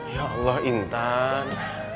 ya allah intan